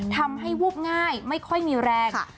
ทำให้วูบง่ายไม่ค่อยมีแรง